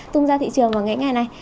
tung ra thị trường vào ngày ngày này